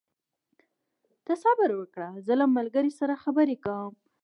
ته صبر وکړه، زه له ملګري سره خبرې کوم.